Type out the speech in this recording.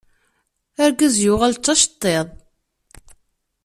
Argaz yuɣal d aceṭṭiḍ.